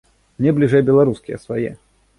Мне бліжэй беларускія, свае.